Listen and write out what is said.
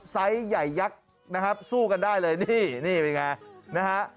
ไซส์ใหญ่ยักษ์นะครับสู้กันได้เลยนี่นี่เป็นไงนะฮะ